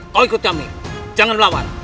kau ikut kami jangan melawan